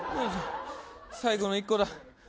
最後の１個だ。